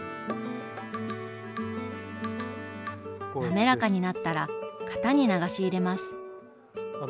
なめらかになったら型に流し入れます。